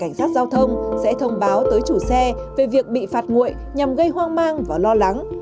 cảnh sát giao thông sẽ thông báo tới chủ xe về việc bị phạt nguội nhằm gây hoang mang và lo lắng